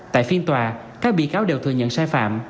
tại phiên tòa các bị cáo đều thừa nhận sai phạm